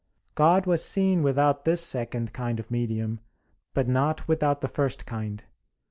God was seen without this second kind of medium, but not without the first kind.